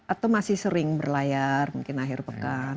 atau masih sering berlayar mungkin akhir pekan